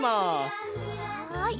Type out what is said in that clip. はい。